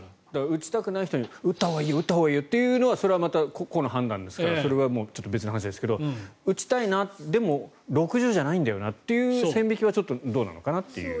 打ちたくない人に打ったほうがいいよというのはそれはまた個々の判断ですからそれは別の話ですが、打ちたいなでも６０じゃないんだよなという線引きはどうなのかなという。